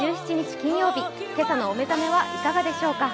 金曜日、今朝のお目覚めいかがでしょうか。